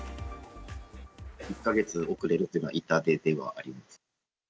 １か月遅れるっていうのは痛手ではあります。